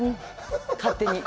勝手に。